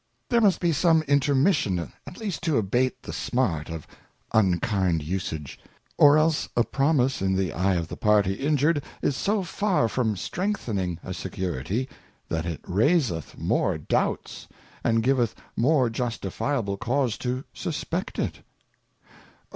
There must be some Intermission at least to abate the smart of unkind usage, or else a Promise in the Eye of the party injur'd is so far from strengthening a Security, that it raiseth more doubts, and giveth more justifiable cause to suspect it.